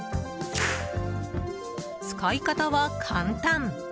使い方は簡単。